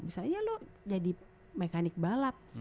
misalnya lo jadi mekanik balap